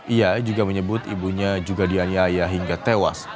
ia juga menyebut ibunya juga dianiaya hingga tewas